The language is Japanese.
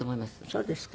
そうですか。